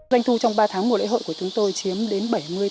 doanh thu trong ba tháng mùa lễ hội của chúng tôi chiếm đến bảy mươi tám mươi